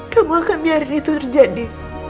kamu akan biarin itu terjadi